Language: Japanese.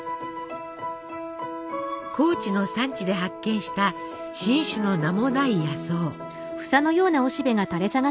高知の山地で発見した新種の名もない野草。